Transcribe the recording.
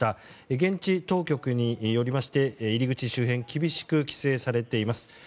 現地当局によりまして入り口周辺厳しく規制されています。